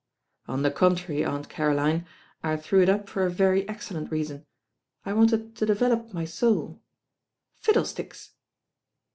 "On the contrary, Aunt Caroline, I threw it up for a very excellent reason. I wanted to develop my soul." "Fiddlesticks."